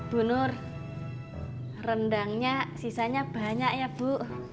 bu nur rendangnya sisanya banyak ya bu